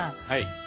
はい。